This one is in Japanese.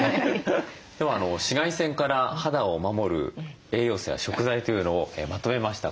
では紫外線から肌を守る栄養素や食材というのをまとめました。